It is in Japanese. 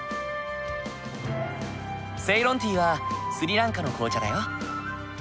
セイロンティーはスリランカの紅茶だよ。